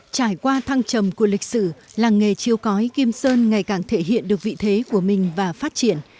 trải qua thăng trầm của lịch sử làng nghề chiêu cói kim sơn ngày càng thể hiện được vị thế của mình và phát triển